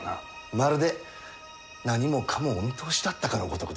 まるで何もかもお見通しだったかのごとくですなあ。